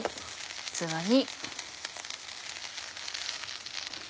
器に。